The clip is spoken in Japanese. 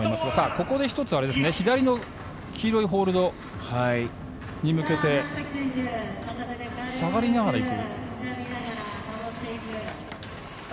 ここで１つ左の黄色いホールドに向けて下がりながらいく。